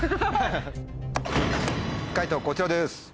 解答こちらです。